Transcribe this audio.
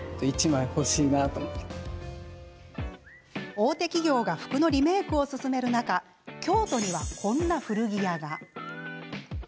大手企業が服のリメークを進める中京都には、こんな古着屋が。